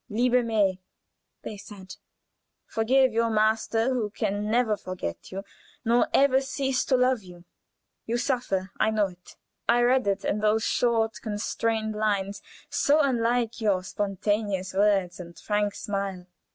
"LIEBE MAI" they said "Forgive your master, who can never forget you, nor ever cease to love you. You suffer. I know it; I read it in those short, constrained lines, so unlike your spontaneous words and frank smile.